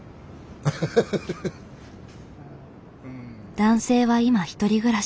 男性は今１人暮らし。